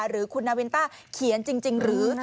หรือคุณนาวินต้าเขียนจริงหรือ